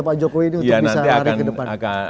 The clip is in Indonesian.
pak jokowi ini untuk bisa lari ke depan